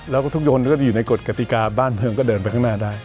แล้วก็ทุกคนก็จะอยู่ในกฎกติกาบ้านเมืองก็เดินไปข้างหน้าได้